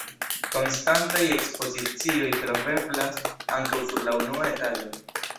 Konstantaj ekspozicioj troveblas ankaŭ sur la unua etaĝo.